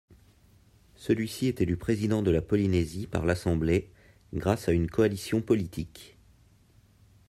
Celui-ci est élu président de la Polynésie par l'Assemblée grâce à une coalition politique.